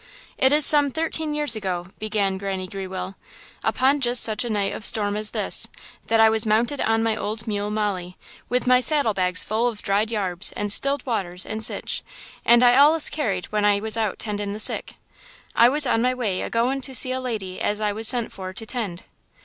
"It is some thirteen years ago," began Granny Grewell, "upon just such a night of storm at this, that I was mounted on my old mule Molly, with my saddlebags full of dried yarbs and 'stilled waters and sich, as I allus carried when I was out 'tendin' on the sick. I was on my way a going to see a lady as I was sent for to 'tend.